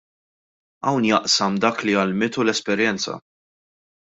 Hawn jaqsam dak li għallmitu l-esperjenza.